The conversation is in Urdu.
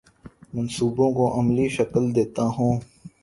منصوبوں کو عملی شکل دیتا ہوں